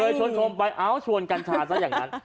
ชวนชมไปเอ้าชวนกัญชาซะอย่างนั้น